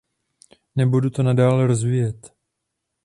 Nebudu to dále rozvíjet.